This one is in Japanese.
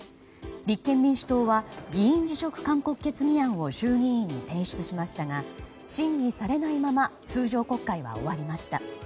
立憲民主党は議員辞職勧告決議案を衆議院に提出しましたが審議されないまま通常国会は終わりました。